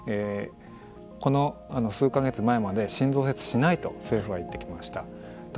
この数か月前まで新増設しないと政府は言ってきました。